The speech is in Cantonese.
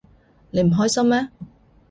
你唔開心咩？